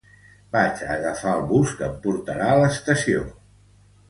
Vaig a agafar el bus que em portarà a l'estació